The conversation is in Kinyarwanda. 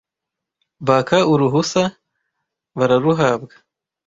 Baka uruhusa bararuhabwa,